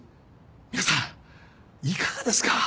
皆さんいかがですか？